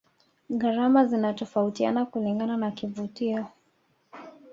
gharama zinatofautiana kulingana na kivutio